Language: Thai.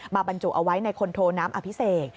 บรรจุเอาไว้ในคนโทน้ำอภิเษก